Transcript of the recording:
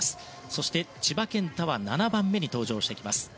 そして、千葉健太は７番目に登場してきます。